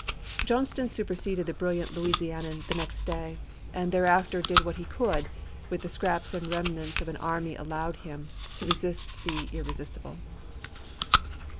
Johnston superseded the brilliant Louisianian the next day, and thereafter did what he could — with the scraps and remnants of an army allowed him — to resist the irresistible.